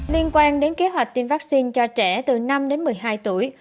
liên quan đến kế hoạch tiêm vaccine cho trẻ từ năm đến một mươi hai tuổi